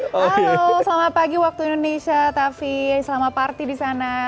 halo selamat pagi waktu indonesia tavi selamat parti di sana